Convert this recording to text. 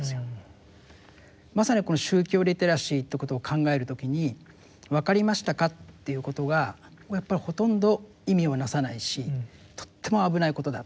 まさにこの宗教リテラシーということを考える時に「わかりましたか？」っていうことが僕はやっぱりほとんど意味を成さないしとっても危ないことだって。